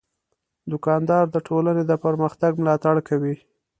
دوکاندار د ټولنې د پرمختګ ملاتړ کوي.